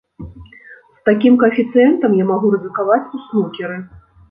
З такім каэфіцыентам я магу рызыкаваць у снукеры.